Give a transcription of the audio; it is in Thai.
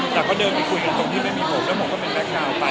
แต่ก็เดินไปคุยกันตรงที่ไม่มีผมแล้วผมก็เป็นนักข่าวไป